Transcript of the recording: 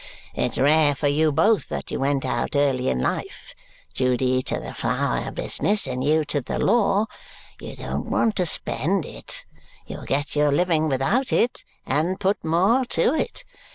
It's rare for you both that you went out early in life Judy to the flower business, and you to the law. You won't want to spend it. You'll get your living without it, and put more to it.